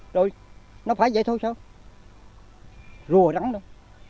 rồi nó phải vậy thôi sao rùa rắn đâu